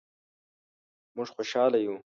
مونږ خوشحاله یو